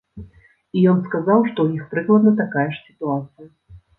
І ён сказаў, што ў іх прыкладна такая ж сітуацыя.